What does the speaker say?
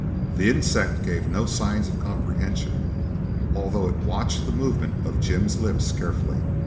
The insect gave no signs of comprehension, although it watched the movement of Jim's lips carefully.